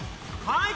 はい！